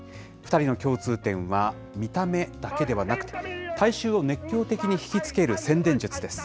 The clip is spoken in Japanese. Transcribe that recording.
２人の共通点は見た目だけではなくて、大衆を熱狂的に引き付ける宣伝術です。